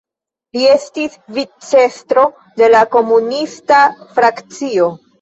Li estis vicestro de la komunista frakcio.